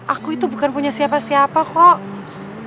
aku itu bukan punya siapa siapa kok